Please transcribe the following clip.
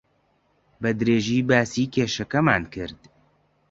بەدرێژی باسی کێشەکەمان کرد.